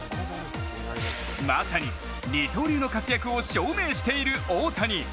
まさに、二刀流の活躍を証明している大谷。